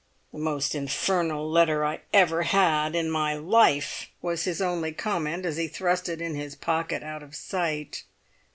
"The most infernal letter I ever had in my life!" was his only comment as he thrust it in his pocket out of sight.